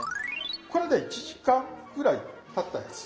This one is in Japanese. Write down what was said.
これで１時間ぐらいたったやつ。